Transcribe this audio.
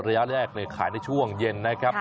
ระยะแรกขายในช่วงเย็นนะครับ